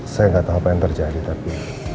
saya gak tau apa yang terjadi tapi